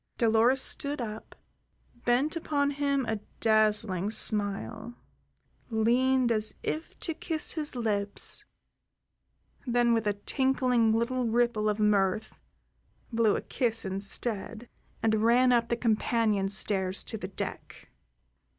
Dolores stood up, bent upon him a dazzling smile, leaned as if to kiss his lips, then with a tinkling little ripple of mirth blew a kiss instead and ran up the companion stairs to the deck.